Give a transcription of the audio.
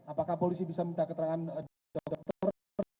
apakah polisi bisa minta keterangan dokter